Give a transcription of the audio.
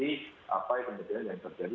dan mengerti apa yang kemudian yang terjadi